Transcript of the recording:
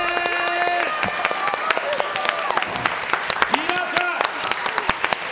皆さん！